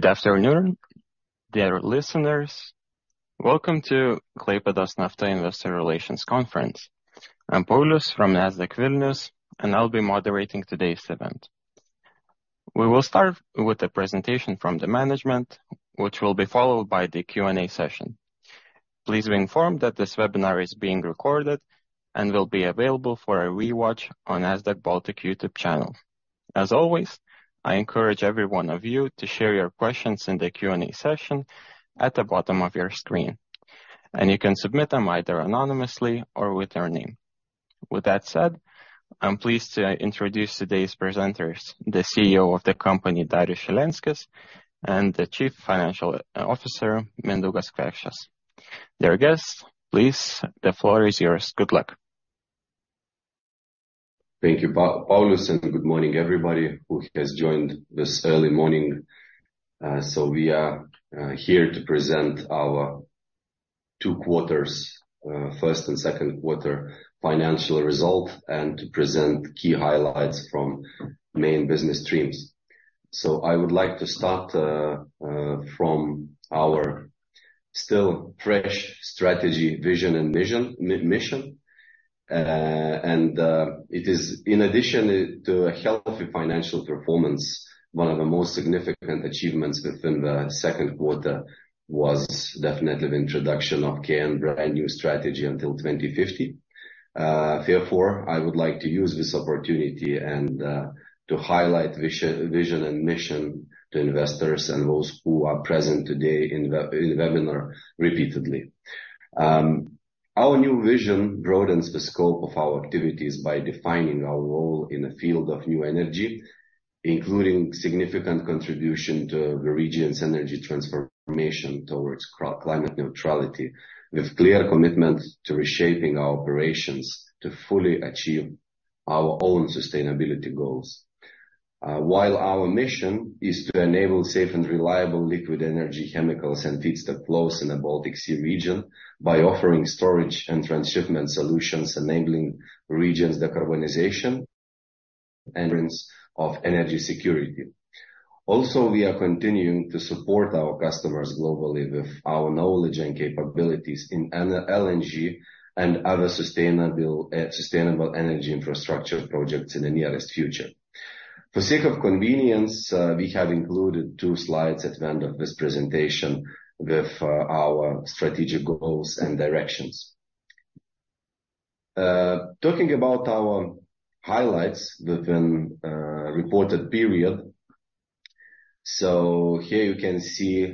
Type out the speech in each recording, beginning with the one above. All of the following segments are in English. Good afternoon, dear listeners. Welcome to Klaipėdos Nafta Investor Relations Conference. I'm Paulius from Nasdaq Vilnius, and I'll be moderating today's event. We will start with a presentation from the management, which will be followed by the Q&A session. Please be informed that this webinar is being recorded and will be available for a rewatch on Nasdaq Baltic YouTube channel. As always, I encourage every one of you to share your questions in the Q&A session at the bottom of your screen, and you can submit them either anonymously or with your name. With that said, I'm pleased to introduce today's presenters, the CEO of the company, Darius Šilenskis, and the Chief Financial Officer, Mindaugas Kvekšas. Dear guests, please, the floor is yours. Good luck! Thank you, Paulius, and good morning, everybody, who has joined this early morning. We are here to present our two quarters, first and second quarter financial result and to present key highlights from main business streams. I would like to start from our still fresh strategy, vision, and vision, mission. It is in addition to a healthy financial performance, one of the most significant achievements within the second quarter was definitely the introduction of KN brand new strategy until 2050. I would like to use this opportunity and to highlight vision and mission to investors and those who are present today in the, in the webinar repeatedly. Our new vision broadens the scope of our activities by defining our role in the field of new energy, including significant contribution to the region's energy transformation towards climate neutrality, with clear commitment to reshaping our operations to fully achieve our own sustainability goals. While our mission is to enable safe and reliable liquid energy, chemicals, and feedstock flows in the Baltic Sea region by offering storage and transshipment solutions, enabling regions, decarbonization, and of energy security. We are continuing to support our customers globally with our knowledge and capabilities in LNG and other sustainable, sustainable energy infrastructure projects in the nearest future. For sake of convenience, we have included two slides at the end of this presentation with our strategic goals and directions. Talking about our highlights within reported period. Here you can see,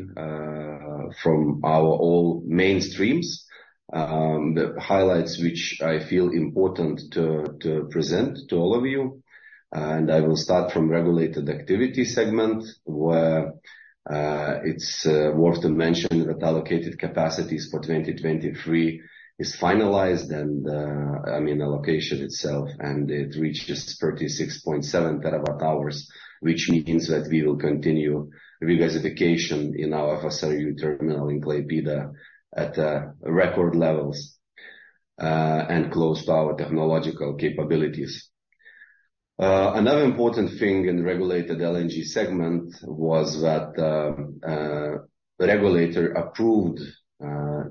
from our all main streams, the highlights, which I feel important to, to present to all of you. I will start from regulated activity segment, where it's worth to mention that allocated capacities for 2023 is finalized and, I mean, the allocation itself, and it reached just 36.7 TWh, which means that we will continue regasification in our FSRU terminal in Klaipėda at record levels, and close to our technological capabilities. Another important thing in regulated LNG segment was that the regulator approved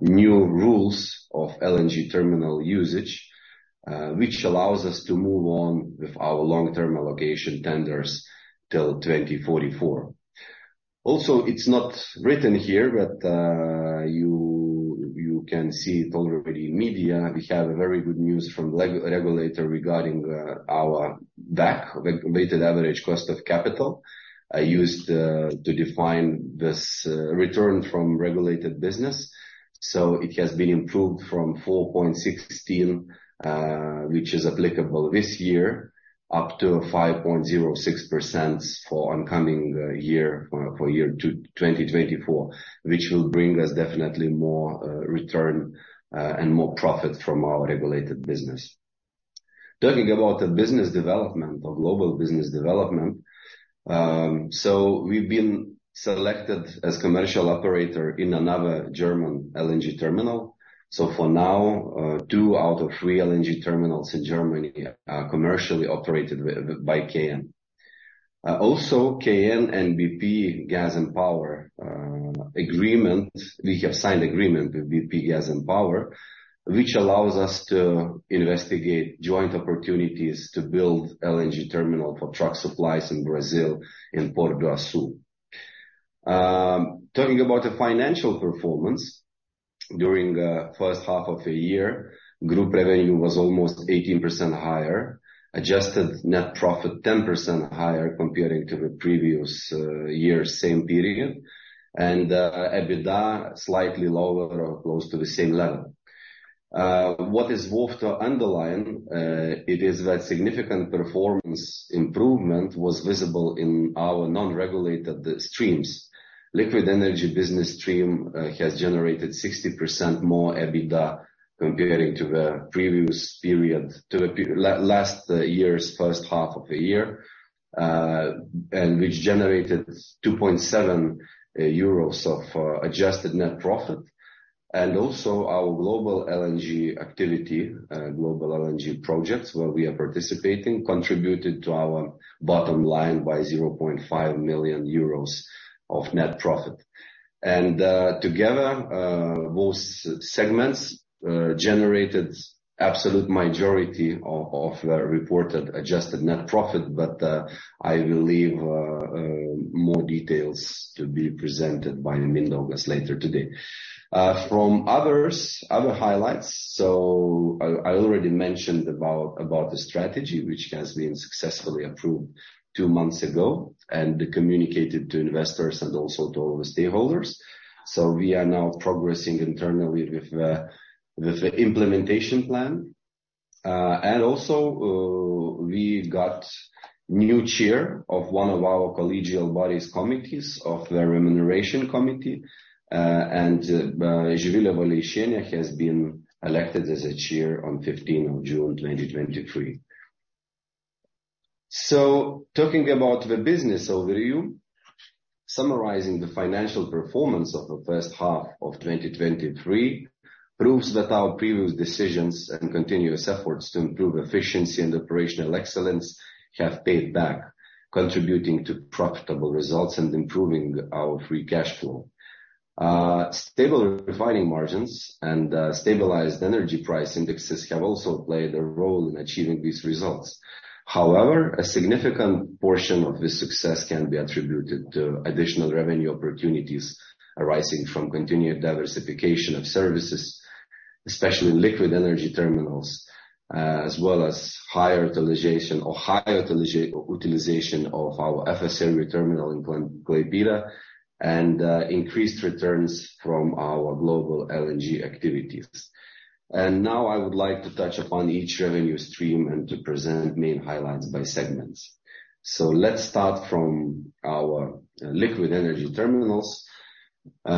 new rules of LNG terminal usage, which allows us to move on with our long-term allocation tenders till 2044. Also, it's not written here, but, you, you can see it already in media. We have a very good news from regulator regarding our WACC, weighted average cost of capital, used to define this return from regulated business. It has been improved from 4.16%, which is applicable this year, up to 5.06% for oncoming year, for year 2024, which will bring us definitely more return and more profit from our regulated business. Talking about the business development or global business development, we've been selected as commercial operator in another German LNG terminal. For now, two out of three LNG terminals in Germany are commercially operated by KN. Also, KN and BP Gas and Power agreement, we have signed agreement with BP Gas and Power, which allows us to investigate joint opportunities to build LNG terminal for truck supplies in Brazil, in Port of Açu. Talking about the financial performance, during the first half of the year, group revenue was almost 18% higher, adjusted net profit, 10% higher comparing to the previous year's same period, and EBITDA, slightly lower or close to the same level. What is worth to underline, it is that significant performance improvement was visible in our non-regulated streams. Liquid energy business stream has generated 60% more EBITDA comparing to the previous period, to the last year's first half of the year. And which generated 2.7 euros of adjusted net profit. Also our global LNG activity, global LNG projects, where we are participating, contributed to our bottom line by 0.5 million euros of net profit. Together, both segments generated absolute majority of the reported adjusted net profit, but I will leave more details to be presented by Mindaugas later today. From others, other highlights, I already mentioned about the strategy, which has been successfully approved two months ago, and communicated to investors and also to all the stakeholders. We are now progressing internally with the implementation plan. Also, we got new chair of one of our collegial bodies committees, of the Remuneration Committee, and Živilė Valeišienė has been elected as a chair on 15th June, 2023. Talking about the business overview, summarizing the financial performance of the first half of 2023, proves that our previous decisions and continuous efforts to improve efficiency and operational excellence have paid back, contributing to profitable results and improving our free cash flow. Stable refining margins and stabilized energy price indexes have also played a role in achieving these results. However, a significant portion of this success can be attributed to additional revenue opportunities arising from continued diversification of services, especially in liquid energy terminals, as well as higher utilization of our FSRU terminal in Klaipėda, and increased returns from our global LNG activities. Now I would like to touch upon each revenue stream and to present main highlights by segments. Let's start from our liquid energy terminals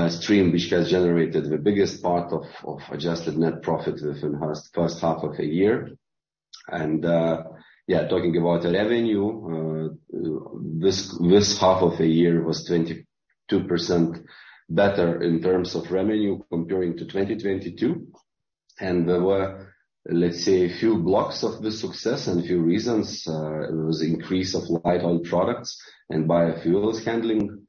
stream, which has generated the biggest part of, of adjusted net profit within the first half of the year. Talking about the revenue, this, this half of the year was 22% better in terms of revenue comparing to 2022. There were, let's say, a few blocks of the success and a few reasons. It was increase of light oil products and biofuels handling.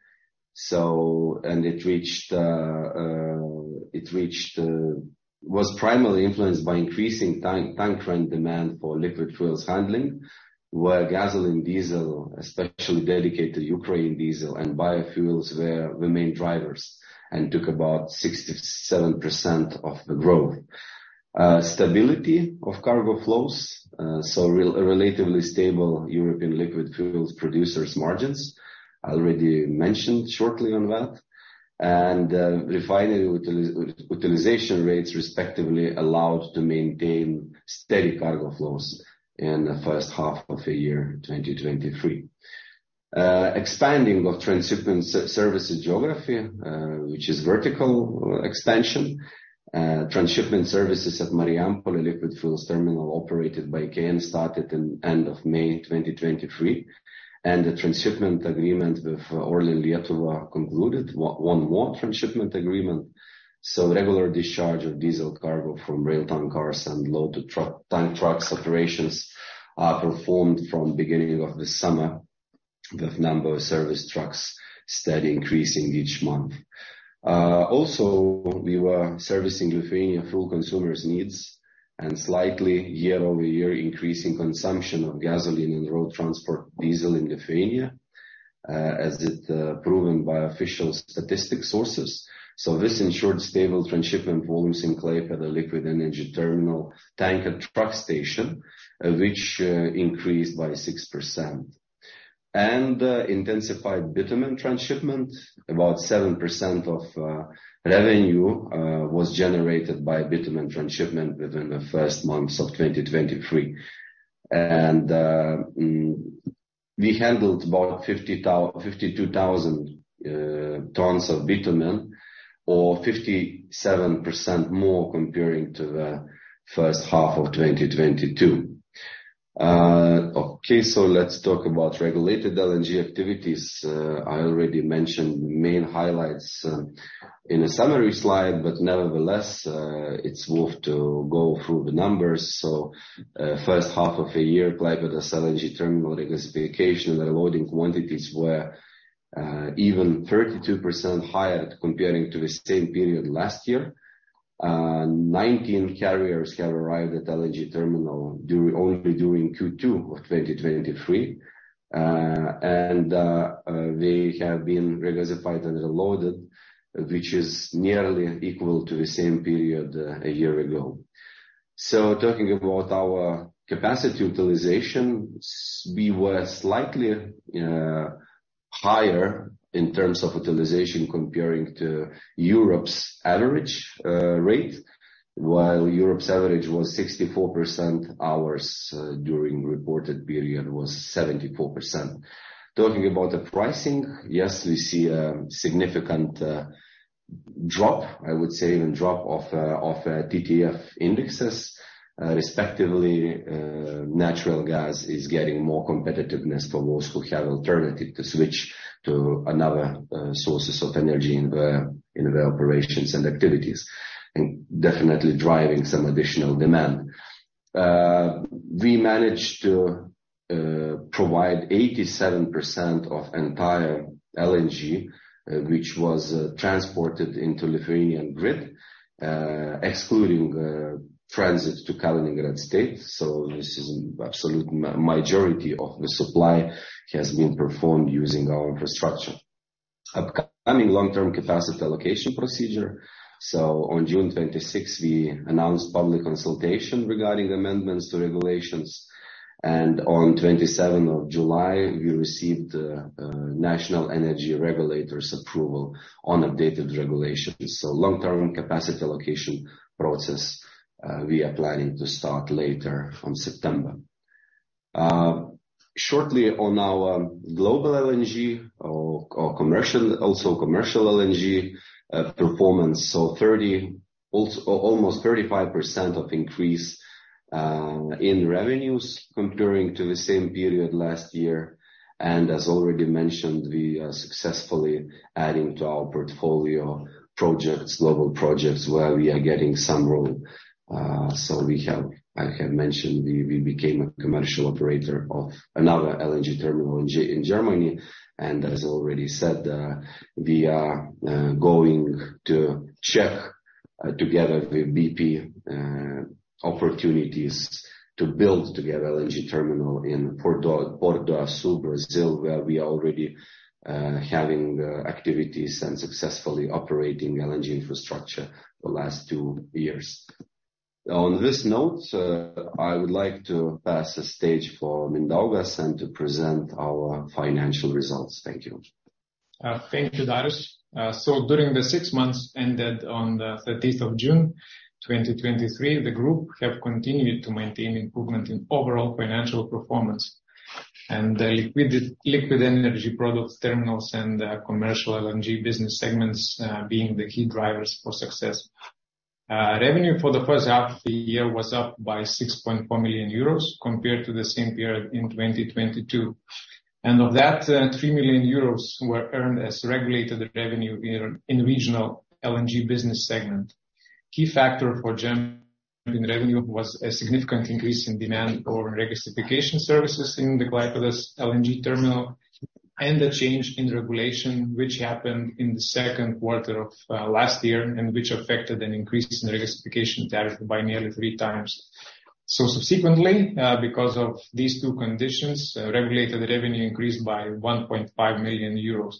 Was primarily influenced by increasing tank, tank trend demand for liquid fuels handling, where gasoline, diesel, especially dedicated Ukraine diesel and biofuels, were the main drivers, and took about 67% of the growth. Stability of cargo flows, a relatively stable European liquid fuels producers margins. I already mentioned shortly on that. Refining utili- utilization rates, respectively, allowed to maintain steady cargo flows in the first half of the year, 2023. Expanding of transshipment se- services geography, which is vertical expansion. Transshipment services at Marijampolė Liquid Fuels Terminal, operated by KN, started in end of May 2023, and the transshipment agreement with ORLEN Lietuva concluded, one more transshipment agreement. Regular discharge of diesel cargo from rail tank cars and loaded truck, tank truck operations are performed from beginning of the summer, with number of service trucks steady increasing each month. Also, we were servicing Lithuanian fuel consumers' needs, and slightly year-over-year increase in consumption of gasoline and road transport diesel in Lithuania, as it proven by official statistic sources. This ensured stable transshipment volumes in Klaipėda liquid energy terminal tanker truck station, which increased by 6%. Intensified bitumen transshipment. About 7% of revenue was generated by bitumen transshipment within the first months of 2023. We handled about 52,000 tons of bitumen, or 57% more comparing to the first half of 2022. Okay, let's talk about regulated LNG activities. I already mentioned the main highlights in the summary slide, nevertheless, it's worth to go through the numbers. First half of the year, Klaipėda LNG terminal regasification and loading quantities were even 32% higher comparing to the same period last year. 19 carriers have arrived at LNG terminal during... only during Q2 of 2023. They have been regasified and unloaded, which is nearly equal to the same period a year ago. Talking about our capacity utilization, we were slightly higher in terms of utilization comparing to Europe's average rate. While Europe's average was 64%, ours during reported period was 74%. Talking about the pricing, yes, we see a significant drop, I would say, even drop off, of TTF indexes. Respectively, natural gas is getting more competitiveness for those who have alternative to switch to another sources of energy in the operations and activities, and definitely driving some additional demand. We managed to provide 87% of entire LNG, which was transported into Lithuanian grid, excluding transit to Kaliningrad State. This is an absolute majority of the supply has been performed using our infrastructure. Upcoming long-term capacity allocation procedure. On June 26, we announced public consultation regarding amendments to regulations, and on 27th July, we received National Energy Regulator's approval on updated regulations. Long-term capacity allocation process, we are planning to start later from September. Shortly on our global LNG or, or commercial, also commercial LNG, performance, almost 35% of increase in revenues comparing to the same period last year. As already mentioned, we are successfully adding to our portfolio projects, global projects, where we are getting some role. I have mentioned, we became a commercial operator of another LNG terminal in Germany. As already said, we are going to check together with BP opportunities to build together LNG terminal in Port of Açu, Brazil, where we are already having activities and successfully operating LNG infrastructure the last two years. On this note, I would like to pass the stage for Mindaugas and to present our financial results. Thank you. Thank you, Darius. During the 6 months, ended on the 30th of June, 2023, the group have continued to maintain improvement in overall financial performance. Liquid, liquid energy products, terminals, and commercial LNG business segments, being the key drivers for success. Revenue for the first half of the year was up by 6.4 million euros compared to the same period in 2022. Of that, 3 million euros were earned as regulated revenue in, in regional LNG business segment. Key factor for jump in revenue was a significant increase in demand for regasification services in the Klaipėda LNG terminal, and the change in regulation, which happened in the second quarter of last year, and which affected an increase in regasification tariff by nearly 3x. Subsequently, because of these two conditions, regulated revenue increased by 1.5 million euros.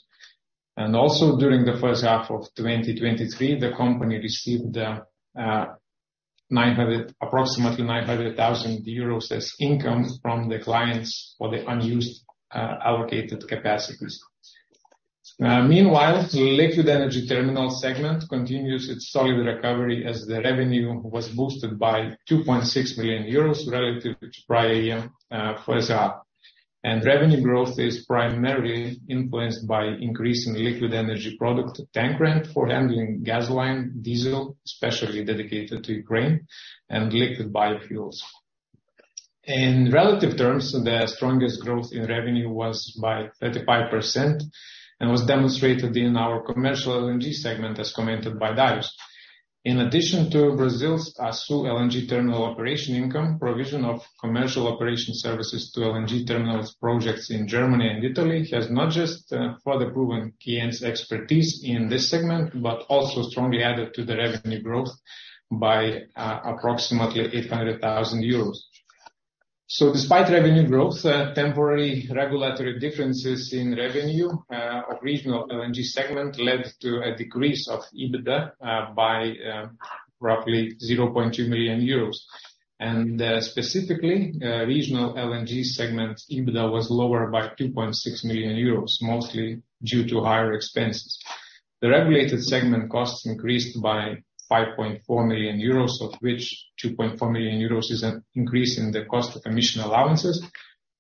Also, during the first half of 2023, the company received approximately 900,000 euros as income from the clients for the unused allocated capacities. Meanwhile, the liquid energy terminal segment continues its solid recovery as the revenue was boosted by 2.6 million euros relative to prior year first half. Revenue growth is primarily influenced by increasing liquid energy product tank rent for handling gasoline, diesel, especially dedicated to Ukraine and liquid biofuels. In relative terms, the strongest growth in revenue was by 35% and was demonstrated in our commercial LNG segment, as commented by Darius. In addition to Brazil's Açu LNG terminal operation income, provision of commercial operation services to LNG terminals projects in Germany and Italy, has not just further proven KN's expertise in this segment, but also strongly added to the revenue growth by approximately 800,000 euros. Despite revenue growth, temporary regulatory differences in revenue of regional LNG segment led to a decrease of EBITDA by roughly 0.2 million euros. Specifically, regional LNG segment, EBITDA was lower by 2.6 million euros, mostly due to higher expenses. The regulated segment costs increased by 5.4 million euros, of which 2.4 million euros is an increase in the cost of emission allowances,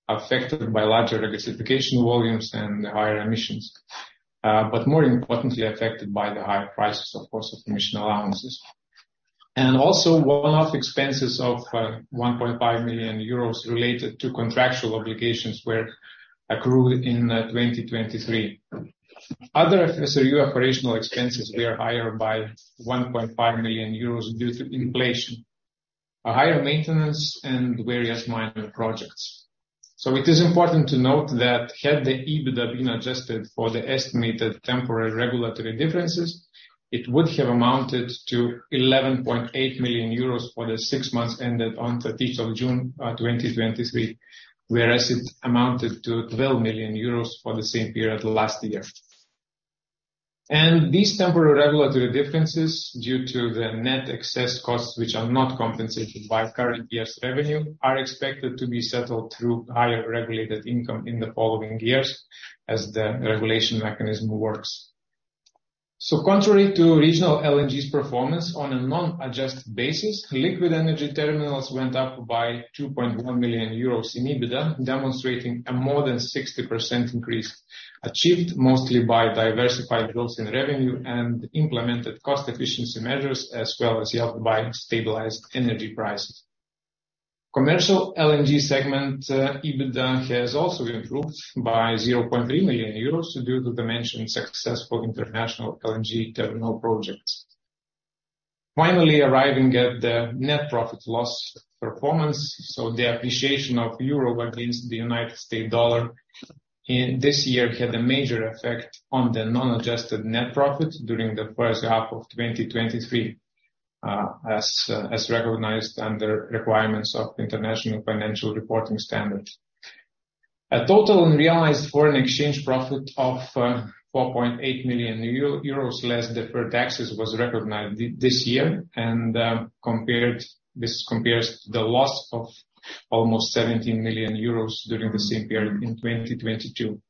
affected by larger regasification volumes and higher emissions. More importantly, affected by the higher prices, of course, of emission allowances. Also, one-off expenses of 1.5 million euros related to contractual obligations were accrued in 2023. Other SRU operational expenses were higher by 1.5 million euros due to inflation, a higher maintenance, and various minor projects. It is important to note that had the EBITDA been adjusted for the estimated temporary regulatory differences, it would have amounted to 11.8 million euros for the 6 months, ended on 30th of June, 2023. Whereas, it amounted to 12 million euros for the same period last year. These temporary regulatory differences due to the net excess costs, which are not compensated by current year's revenue, are expected to be settled through higher regulated income in the following years, as the regulation mechanism works. Contrary to regional LNG's performance on a non-adjusted basis, liquid energy terminals went up by 2.1 million euros in EBITDA, demonstrating a more than 60% increase, achieved mostly by diversified growth in revenue and implemented cost efficiency measures, as well as helped by stabilized energy prices. Commercial LNG segment EBITDA has also improved by 0.3 million euros, due to the mentioned successful international LNG terminal projects. Finally, arriving at the net profit loss performance. The appreciation of euro against the United States dollar in this year, had a major effect on the non-adjusted net profit during the first half of 2023, as recognized under requirements of IFRS. A total unrealized foreign exchange profit of 4.8 million euros, less deferred taxes, was recognized this year, and this compares the loss of almost 17 million euros during the same period in 2022.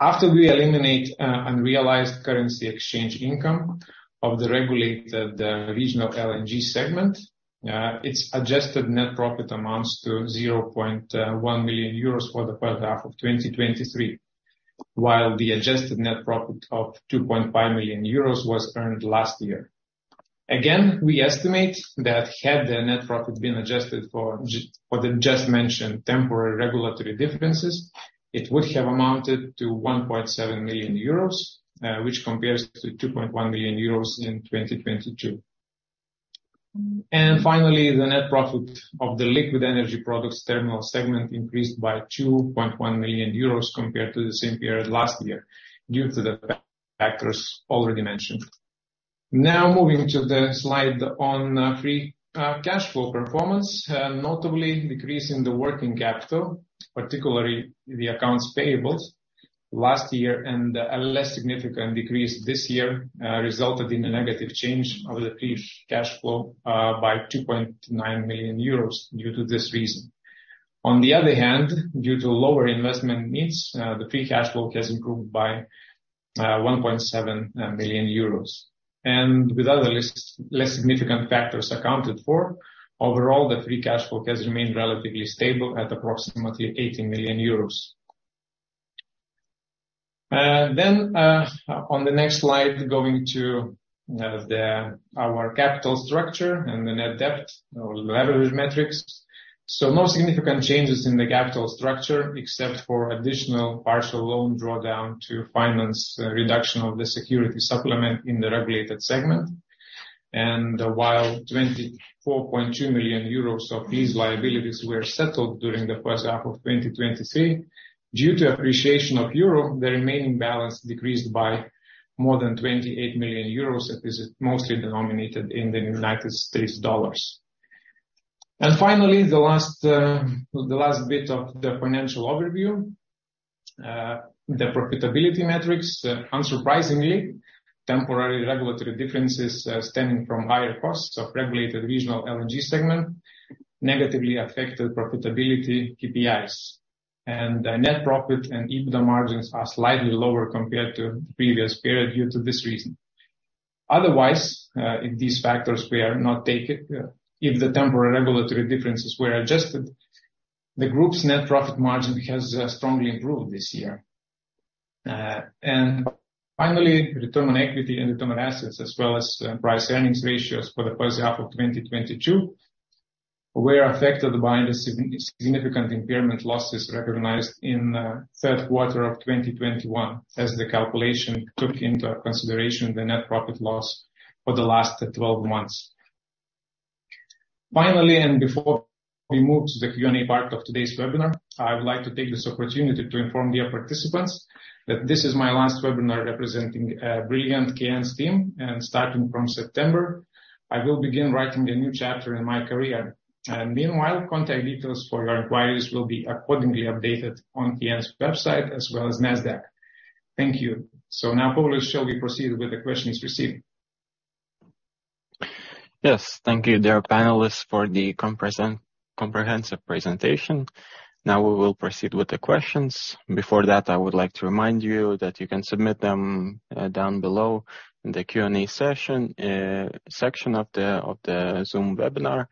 After we eliminate unrealized currency exchange income of the regulated regional LNG segment, its adjusted net profit amounts to 0.1 million euros for the first half of 2023, while the adjusted net profit of 2.5 million euros was earned last year. Again, we estimate that had the net profit been adjusted for for the just mentioned temporary regulatory differences, it would have amounted to 1.7 million euros, which compares to 2.1 million euros in 2022. Finally, the net profit of the liquid energy products terminal segment increased by 2.1 million euros compared to the same period last year, due to the factors already mentioned. Moving to the slide on free cash flow performance, notably decreasing the working capital, particularly the accounts payables. Last year, and a less significant decrease this year, resulted in a negative change of the free cash flow by 2.9 million euros due to this reason. On the other hand, due to lower investment needs, the free cash flow has improved by 1.7 million euros. With other less, less significant factors accounted for, overall, the free cash flow has remained relatively stable at approximately 80 million euros. On the next slide, going to the... Our capital structure and the net debt or leverage metrics. No significant changes in the capital structure, except for additional partial loan drawdown to finance reduction of the security supplement in the regulated segment. While 24.2 million euros of these liabilities were settled during the first half of 2023, due to appreciation of the euro, the remaining balance decreased by more than 28 million euros, and this is mostly denominated in United States dollars. Finally, the last the last bit of the financial overview, the profitability metrics. Unsurprisingly, temporary regulatory differences, stemming from higher costs of regulated regional LNG segment, negatively affected profitability, KPIs, and net profit and EBITDA margins are slightly lower compared to the previous period due to this reason. Otherwise, if these factors were not taken, if the temporary regulatory differences were adjusted, the group's net profit margin has strongly improved this year. Finally, return on equity and return on assets, as well as, price earnings ratios for the first half of 2022, were affected by the significant impairment losses recognized in third quarter of 2021, as the calculation took into consideration the net profit loss for the last 12 months. Finally, before we move to the Q&A part of today's webinar, I would like to take this opportunity to inform the participants that this is my last webinar representing Brilliant KN's team, and starting from September, I will begin writing a new chapter in my career. Meanwhile, contact details for your inquiries will be accordingly updated on KN's website as well as Nasdaq. Thank you. Now, Paul, shall we proceed with the questions received? Yes. Thank you, dear panelists, for the comprehensive presentation. Now, we will proceed with the questions. Before that, I would like to remind you that you can submit them down below in the Q&A section of the Zoom webinar.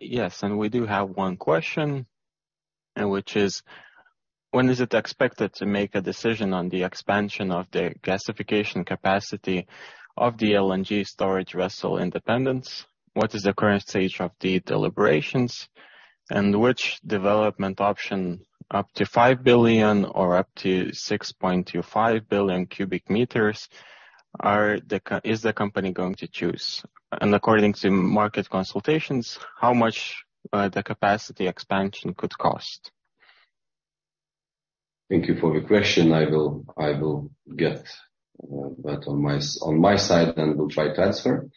Yes, we do have one question, which is: When is it expected to make a decision on the expansion of the gasification capacity of the LNG storage vessel Independence? What is the current stage of the deliberations? Which development option, up to 5 billion or up to 6.25 billion m3, is the company going to choose? According to market consultations, how much the capacity expansion could cost? Thank you for the question. I will, I will get that on my, on my side and will try to answer.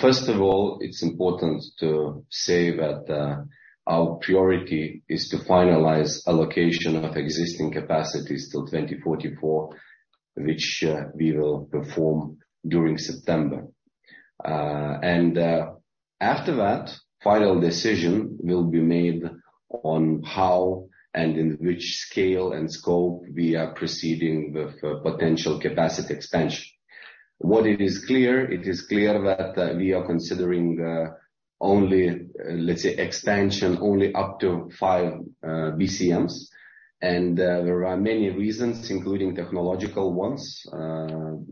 First of all, it's important to say that our priority is to finalize allocation of existing capacities till 2044, which we will perform during September. After that, final decision will be made on how and in which scale and scope we are proceeding with potential capacity expansion. What it is clear, it is clear that we are considering only, let's say, expansion only up to five BCMs. There are many reasons, including technological ones on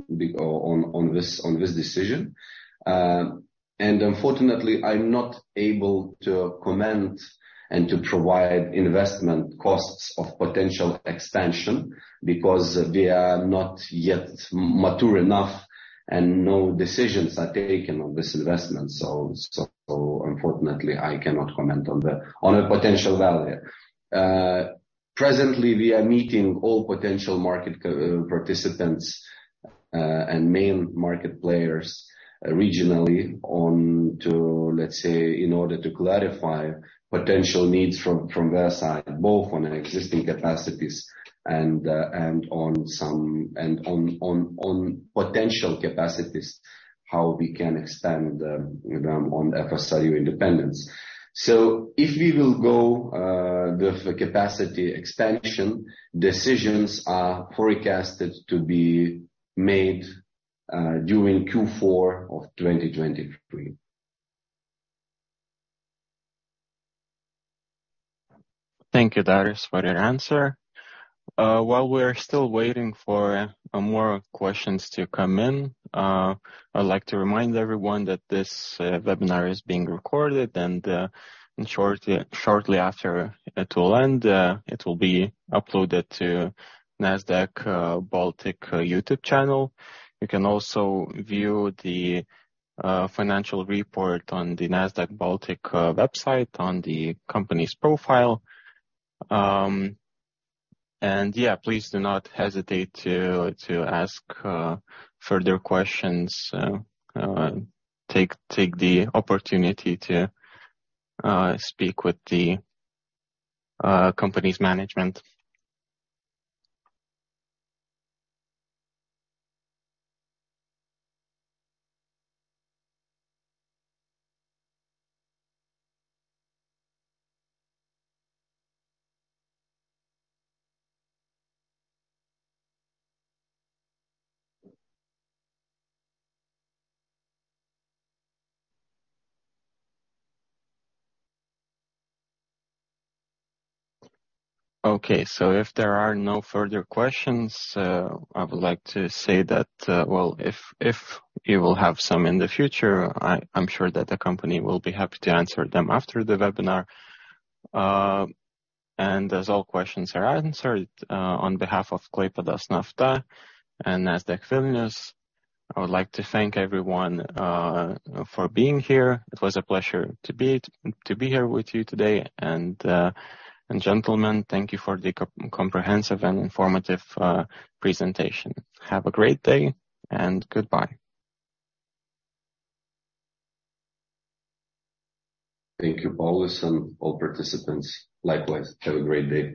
this, on this decision. Unfortunately, I'm not able to comment and to provide investment costs of potential expansion, because they are not yet mature enough, and no decisions are taken on this investment. So unfortunately, I cannot comment on the, on a potential value. Presently, we are meeting all potential market participants and main market players regionally on to, let's say, in order to clarify potential needs from their side, both on existing capacities and on potential capacities, how we can expand them, you know, on FSRU independence. If we will go with the capacity expansion, decisions are forecasted to be made during Q4 of 2023. Thank you, Darius, for your answer. While we're still waiting for more questions to come in, I'd like to remind everyone that this webinar is being recorded, and and shortly, shortly after it will end, it will be uploaded to Nasdaq Baltic YouTube channel. You can also view the financial report on the Nasdaq Baltic website, on the company's profile. Yeah, please do not hesitate to, to ask further questions, take, take the opportunity to speak with the company's management. Okay. If there are no further questions, I would like to say that well, if, if you will have some in the future, I, I'm sure that the company will be happy to answer them after the webinar. As all questions are answered, on behalf of Klaipėdos Nafta and Nasdaq Vilnius, I would like to thank everyone for being here. It was a pleasure to be here with you today. Gentlemen, thank you for the comprehensive and informative presentation. Have a great day, and goodbye. Thank you, Paulius and all participants. Likewise, have a great day.